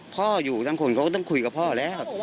พ่ออยู่ทั้งคนเขาก็ต้องคุยกับพ่อแล้ว